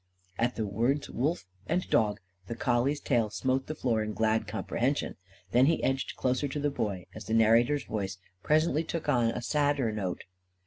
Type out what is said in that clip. At the words "Wolf" and "dog," the collie's tail smote the floor in glad comprehension. Then he edged closer to the Boy as the narrator's voice presently took on a sadder note.